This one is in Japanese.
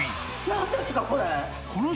何ですか、これ。